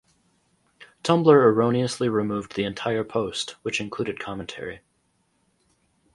Tumblr erroneously removed the entire post, which included commentary.